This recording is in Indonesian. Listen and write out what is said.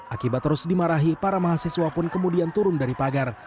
akibat terus dimarahi para mahasiswa pun kemudian turun dari pagar